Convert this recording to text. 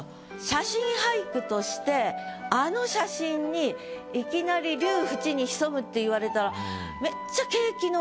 写真俳句としてあの写真にいきなり「龍淵に潜む」っていわれたらめっちゃ。